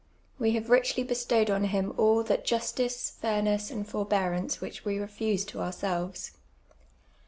We have richly bestowed on him all that justice, fairness, and forbearance which we refuse to ourselves.